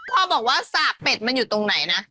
พ่อบอกว่าสากเป็ดมันอยู่ตรงไหนนะ